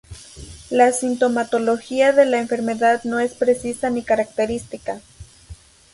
La sintomatología de la enfermedad no es precisa ni característica.